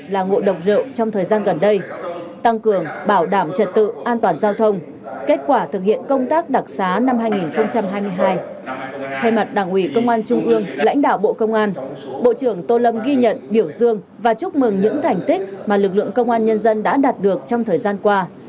lãnh đạo bộ công an bộ trưởng tô lâm ghi nhận biểu dương và chúc mừng những thành tích mà lực lượng công an nhân dân đã đạt được trong thời gian qua